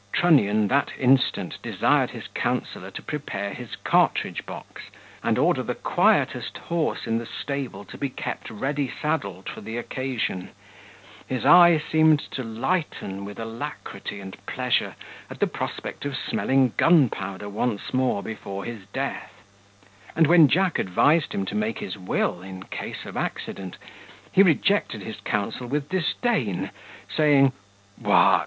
Trunnion that instant desired his counsellor to prepare his cartridge box, and order the quietest horse in the stable to be kept ready saddled for the occasion; his eye seemed to lighten with alacrity and pleasure at the prospect of smelling gunpowder once more before his death; and when Jack advised him to make his will, in case of accident, he rejected his counsel with disdain, saying, "What!